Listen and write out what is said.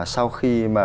sau khi mà